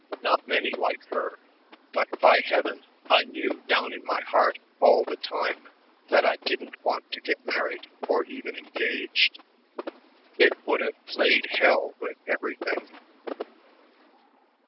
Not many like her, but "by heaven, I knew down in my heart all the time that I didn't want to get married or even engaged. It would have played hell with everything."